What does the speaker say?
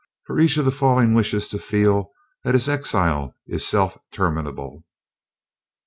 For each of the fallen wishes to feel that his exile is self terminable.